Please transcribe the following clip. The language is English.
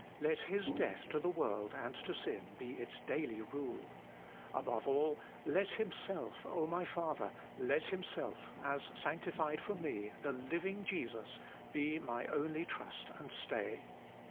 Let His death to the world and to sin be its daily rule. Above all, let Himself, my Father ! let Himself, as sanctified for me, the living Jesus, be my only trust and stay.